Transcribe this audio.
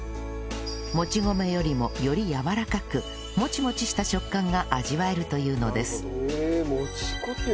もち米よりもよりやわらかくモチモチした食感が味わえるというのですへえ